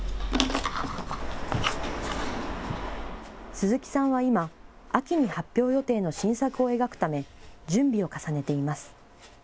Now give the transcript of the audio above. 鈴木さんは今、秋に発表予定の新作を描くため準備を重ねています。